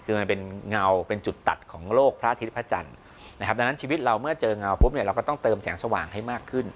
คือมันเป็นเงาเป็นจุดตัดของโลกพระอาทิตย์พระจันทร์นะครับดังนั้นชีวิตเราเมื่อเจอเงาปุ๊บเนี่ยเราก็ต้องเติมแสงสว่างให้มากขึ้น